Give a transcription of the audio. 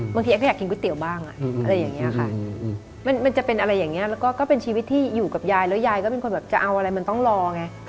เอ็กก็อยากกินก๋วยเตี๋ยวบ้างอะไรอย่างนี้ค่ะมันจะเป็นอะไรอย่างนี้แล้วก็เป็นชีวิตที่อยู่กับยายแล้วยายก็เป็นคนแบบจะเอาอะไรมันต้องรอไง